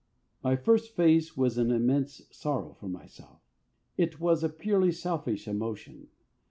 My first phase was an immense sorrow for myself. It was a purely selfish emotion.